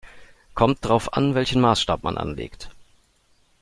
Kommt drauf an, welchen Maßstab man anlegt.